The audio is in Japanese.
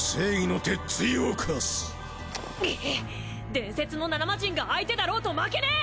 伝説の７マジンが相手だろうと負けねえ！